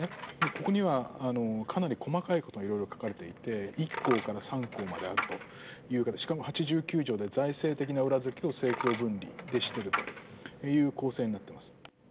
ここにはかなり細かいことがいろいろ書かれていて一項から三項まであるというからしかも八十九条で財政的な裏付けを政教分離でしてるという構成になってます。